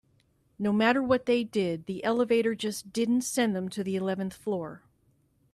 No matter what they did, the elevator just didn't send them to the eleventh floor.